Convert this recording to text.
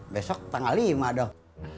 besok tanggal lima dong